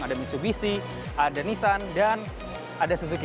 ada mitsubishi ada nissan dan ada suzuki